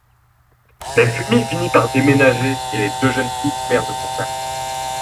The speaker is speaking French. Mais Fumi finit par déménager et les deux jeunes filles perdent contact.